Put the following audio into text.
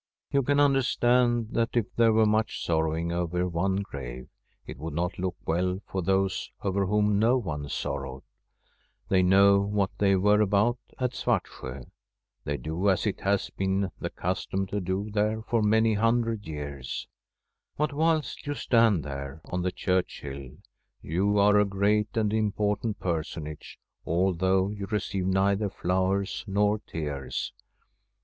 You can understand that if there were much sorrowing over one grave, it would not look well for those over whom no one sorrowed. They [ 342 1 Tbi BROTHERS know what they were about at Svartsjo. They do as it has been the custom to do there for many hundred years. But whilst you stand there, on the church hill, you are a great and important personage, although you receive neither flowers nor tears.